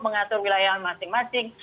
mengatur wilayah masing masing